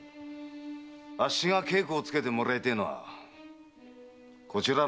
あっしが稽古をつけてもらいたいのはこちらの先生で。